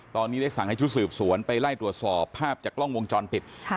ตอนนี้ได้สั่งให้ชุดสืบสวนไปไล่ตรวจสอบภาพจากกล้องวงจรปิด